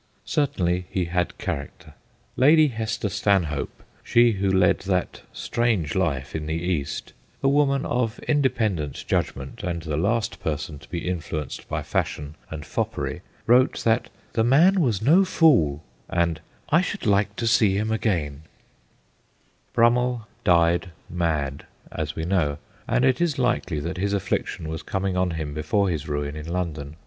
Cer tainly he had character. Lady Hester Stanhope she who led that strange life in the East a woman of independent judg ment, and the last person to be in fluenced by fashion and foppery, wrote that ' the man was no fool/ and ' I should like to see him again/ Brummell died mad, as we know, and it is likely that his affliction was coming on him before his ruin in London.